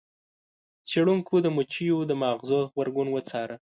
څیړونکو د مچیو د ماغزو غبرګون وڅاره.